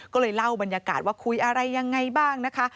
ก็เลยเล่าบรรยากาศว่าคุยอะไรยังไงบ้างนะคะ